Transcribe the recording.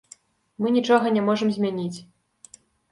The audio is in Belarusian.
Мы нічога не можам змяніць.